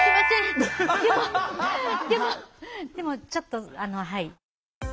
でもでもでもちょっとはい。